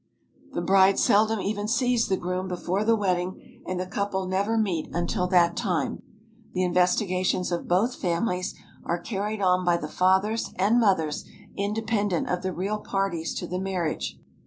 The bride seldom even sees the groom before the wed ding, and the couple never meet until that time. The in vestigations of both families are carried on by the fathers and mothers independent of the real parties to the marriage.